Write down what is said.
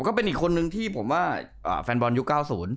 ก็เป็นอีกคนนึงที่ผมว่าแฟนบอลยุค๙๐